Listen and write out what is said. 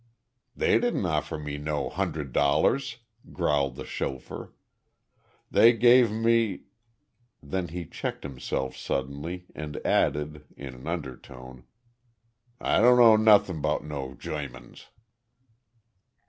"They didn't offer me no hunnerd dollars," growled the chauffeur, "they gave me...." Then he checked himself suddenly and added, in an undertone, "I don't know nothin' 'bout no Goimans."